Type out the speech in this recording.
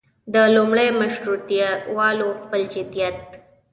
د لومړي مشروطیه والو خپل جديت.